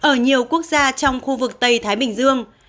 ở nhiều quốc gia trong khu vực tây thái bình dương